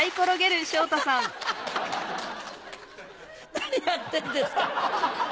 何やってんですか！